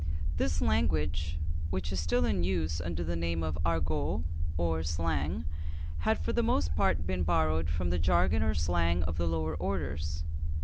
This language, which is still in use under the name of argot, or slang, had for the most part been borrowed from the jargon or slang of the lower orders.